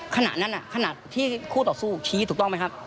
ขณะนั้นขณะที่คู่ต่อสู้ชี้ถูกต้องไหมครับ